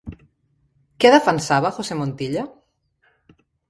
Què defensava José Montilla?